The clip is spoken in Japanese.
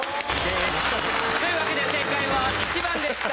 というわけで正解は１番でした！